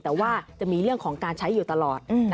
แต่ว่าจะมีเรื่องของการใช้อยู่ตลอด